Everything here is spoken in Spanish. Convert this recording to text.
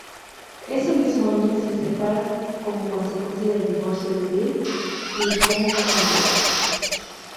Este mismo año se separan como consecuencia del divorcio de Bill y Diane Chambers.